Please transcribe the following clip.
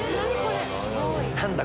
何だ？